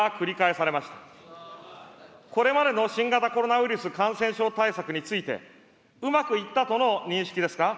これまでの新型コロナウイルス感染症対策について、うまくいったとの認識ですか。